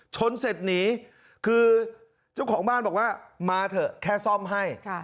ชนเสร็จหนีคือเจ้าของบ้านบอกว่ามาเถอะแค่ซ่อมให้